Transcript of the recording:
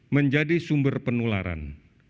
menjadi sumber penularan